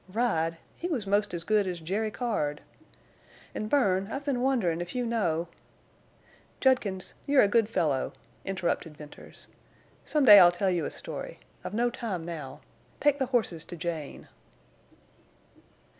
Ride! He was most as good as Jerry Card. An', Bern, I've been wonderin' if you know—" "Judkins, you're a good fellow," interrupted Venters. "Some day I'll tell you a story. I've no time now. Take the horses to Jane."